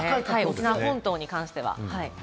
沖縄本島に関しては。